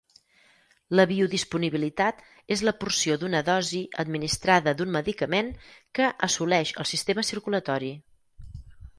La biodisponibilitat és la porció d'una dosi administrada d'un medicament que assoleix el sistema circulatori.